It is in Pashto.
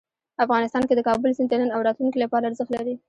افغانستان کې د کابل سیند د نن او راتلونکي لپاره ارزښت لري.